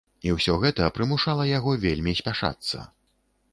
І ўсё гэта прымушала яго вельмі спяшацца.